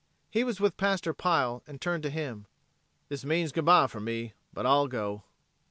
He was with Pastor Pile, and he turned to him: "This means good bye for me. But I'll go."